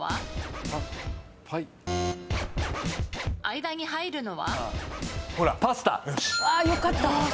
間に入るのは？